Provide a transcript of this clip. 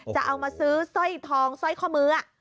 จะเอามาซื้อสวยทองสวยข้อมือ